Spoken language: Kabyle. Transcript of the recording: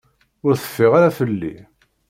Ur teffiɣ ara fell-i.